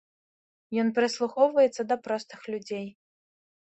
Ён прыслухоўваецца да простых людзей.